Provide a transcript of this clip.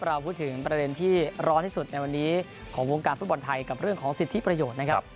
เราพูดถึงประเด็นที่ร้อนที่สุดในวันนี้ของวงการฟุตบอลไทยกับเรื่องของสิทธิประโยชน์นะครับ